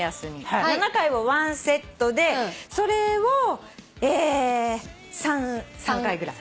７回を１セットでそれを３回ぐらい。